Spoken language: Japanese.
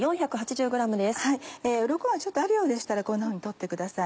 うろこがあるようでしたらこんなふうに取ってください。